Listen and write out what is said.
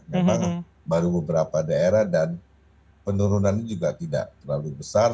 memang baru beberapa daerah dan penurunannya juga tidak terlalu besar